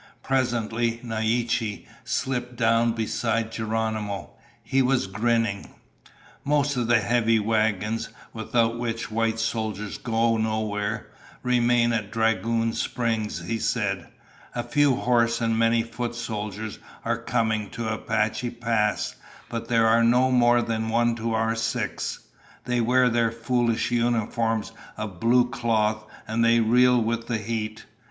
Presently, Naiche slipped down beside Geronimo. He was grinning. "Most of the heavy wagons, without which white soldiers go nowhere, remain at Dragoon Springs," he said. "A few horse and many foot soldiers are coming to Apache Pass, but they are no more than one to our six. They wear their foolish uniforms of blue cloth and they reel with the heat.